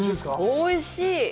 おいしい！